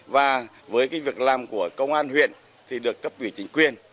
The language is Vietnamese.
và với việc làm của công an huyện thì được cấp ủy chính quyền